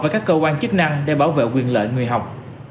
với các cơ quan chức năng để bảo vệ quyền lợi người học